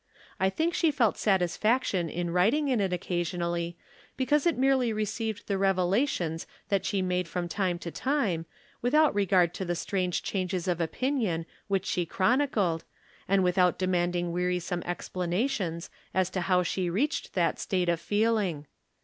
I think she felt satisfaction in writing in it occasionally, because it merely received the revelations that she made from time to time, mthout regard to the strange changes of opinion which she chron icled, and without demanding wearisome expla nations as to how she reached that state of feel ing.